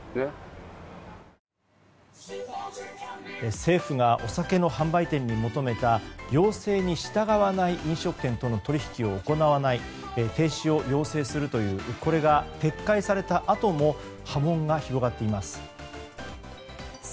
政府がお酒の販売店に求めた要請に従わない飲食店との取引の停止を要請するというこれが撤回されたあとも波紋が広がっています。